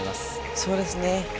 そうですね。